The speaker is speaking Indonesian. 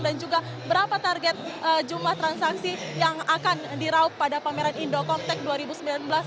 dan juga berapa target jumlah transaksi yang akan dirauh pada pameran indocom tektika dua ribu sembilan belas